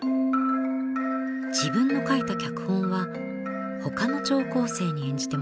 自分の書いた脚本は他の聴講生に演じてもらいます。